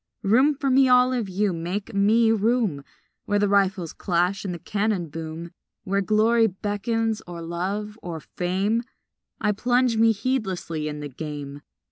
Room for me, all of you, make me room! Where the rifles clash and the cannon boom, Where glory beckons or love or fame I plunge me heedlessly in the game.